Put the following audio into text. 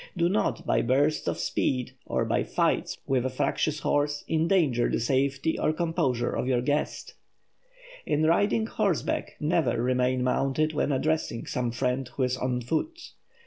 Do not, by bursts of speed, or by "fights" with a fractious horse, endanger the safety or composure of your guest. In riding horseback, never remain mounted when addressing some friend who is on foot.